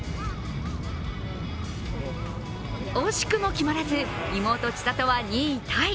惜しくも決まらず妹・千怜は２位タイ。